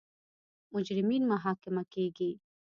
مجرمین محاکمه کیږي.